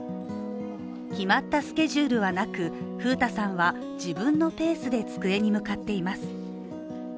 決まったスケジュールはなく楓太さんは、自分のペースで机に向かっています。